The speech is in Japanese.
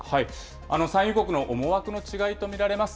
産油国の思惑の違いと見られます。